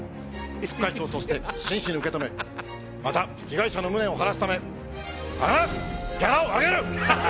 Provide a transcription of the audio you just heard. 副会長として真摯に受け止めまた被害者の無念を晴らすため必ずギャラを上げる！